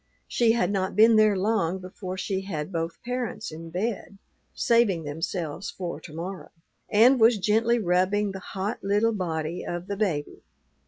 She had not been there long before she had both parents in bed, "saving themselves for to morrow," and was gently rubbing the hot little body of the baby.